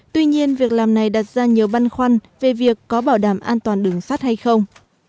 tuy nhiên việc làm này đặt ra nhiều băn khoăn về việc có bảo đảm an toàn đường sắt hay không